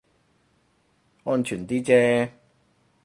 安全啲啫